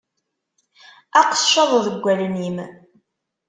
Aqeccaḍ deg wallen-im!